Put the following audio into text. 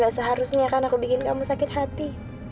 gak seharusnya kan aku bikin kamu sakit hati